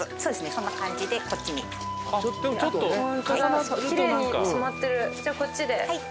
そんな感じでこっちにホントだきれいに染まってるじゃこっちではい